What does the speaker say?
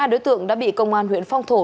hai đối tượng đã bị công an huyện phong thổ